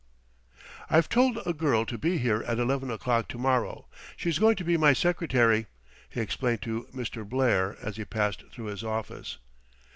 "I've told a girl to be here at eleven o'clock to morrow. She's going to be my secretary," he explained to Mr. Blair as he passed through his office.